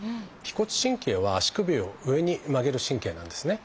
腓骨神経は足首を上に曲げる神経なんですね。